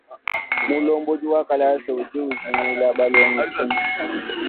Mulombodi wa kalasa udi ujingila balongi tshinyi?